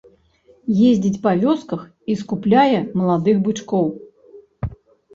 Ездзіць па вёсках і скупляе маладых бычкоў.